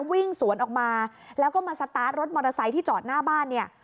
วิ่งสวนออกมาแล้วก็มาสตาร์ทรถมอเตอร์ไซค์ที่จอดหน้าบ้านเนี่ย